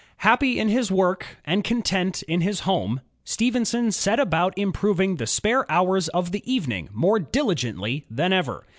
Happy in his work, and content in his home, Stephenson set about improving the spare hourst of the evening more diligently than ever.